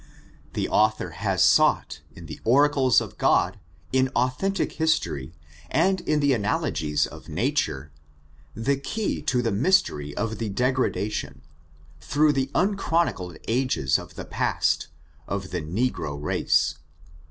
The author has sought, in the oracles of Grod, in authentic history, and in the analogies of nature, the key to the mystery of the degradation, through the unchronicled ages of the past, of the negro race.